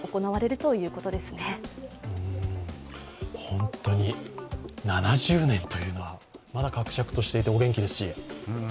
本当に７０年というのはまだかくしゃくとされていてお元気ですし。